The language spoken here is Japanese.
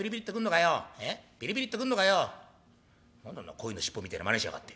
鯉の尻尾みてえなまねしやがって。